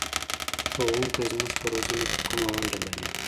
ښوونکی زموږ په روزنه کې کومه ونډه لري؟